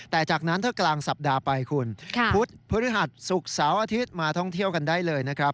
แต่จากนั้นถ้ากลางสัปดาห์ไปคุณพุธพฤหัสศุกร์เสาร์อาทิตย์มาท่องเที่ยวกันได้เลยนะครับ